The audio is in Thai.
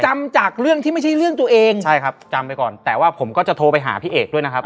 จากเรื่องที่ไม่ใช่เรื่องตัวเองใช่ครับจำไปก่อนแต่ว่าผมก็จะโทรไปหาพี่เอกด้วยนะครับ